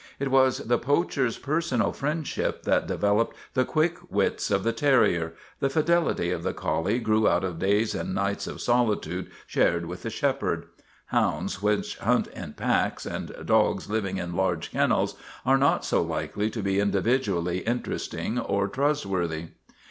It was the poacher's personal friendship that developed the quick wits of the terrier; the fidelity of the collie grew out of days and nights of solitude shared with the shepherd. Hounds which hunt in packs and dogs living in large kennels are not so likely to be individually interesting or trustworthy.